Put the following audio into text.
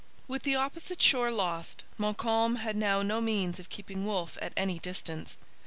With the opposite shore lost Montcalm had now no means of keeping Wolfe at any distance.